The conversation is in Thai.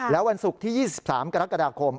แล้ววันศุกร์ที่๒๓กรกฎาคม